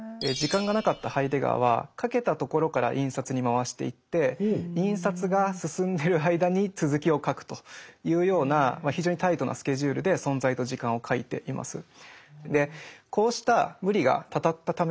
時間がなかったハイデガーは書けたところから印刷に回していって印刷が進んでる間に続きを書くというような非常にタイトなスケジュールで「存在と時間」を書いています。